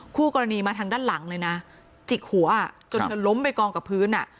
คู่กรณีมาทางด้านหลังเลยนะจิกหัวจนเธอล้มไปกองกับพื้นอ่ะ